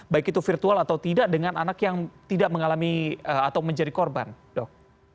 baik itu virtual atau tidak dengan anak yang tidak mengalami atau menjadi korban dok